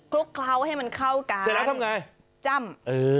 ลุกเคล้าให้มันเข้ากันเสร็จแล้วทำไงจ้ำเออ